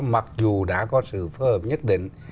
mặc dù đã có sự phù hợp nhất định